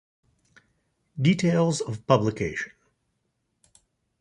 Details of publication.